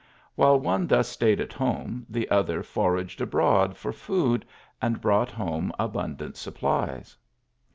While one thus stayed at home, the other foraged abroad for food, and brought home abun dant supplies.